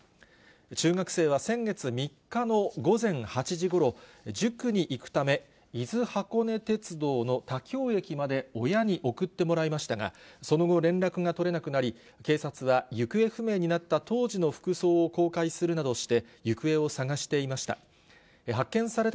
中学生は先月３日の午前８時ごろ、塾に行くため、伊豆箱根鉄道の田京駅まで親に送ってもらいましたが、その後、連絡が取れなくなり、警察は行方不明になった当時の服装を公開するなどして、行方を捜していました。